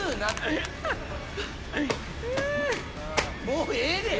もうええで！